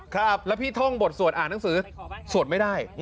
ครับแล้วพี่ท่องบทสวดอ่านหนังสือสวดไม่ได้